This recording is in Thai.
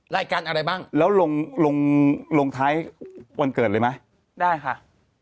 รายการอะไรบ้างแล้วลงลงท้ายวันเกิดเลยไหมได้ค่ะ